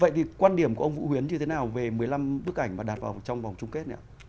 vậy thì quan điểm của ông vũ huyến như thế nào về một mươi năm bức ảnh mà đạt vào trong vòng chung kết nạ